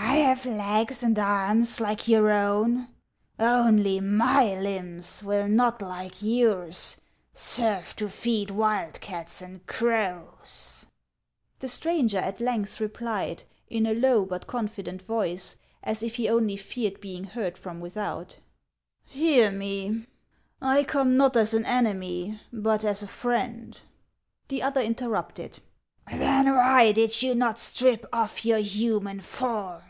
" I have legs and arms like your own ; only my limbs will not like yours serve to feed wildcats and crows !" The stranger at length replied, in a low but confident voice, as if he only feared being heard from without: " Hear me ; I come, not as an enemy, but as a friend." The other interrupted, " Then why did you not strip off your human form